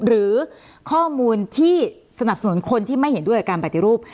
หรือข้อมูลที่สนับสนุนคนที่ไม่เห็นด้วยกับการปฏิรูป